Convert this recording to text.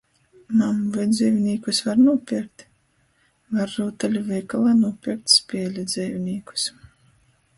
Mam, voi dzeivinīkus var nūpierkt? Var rūtaļu veikalā nūpierkt spēļu dzeivinīkus.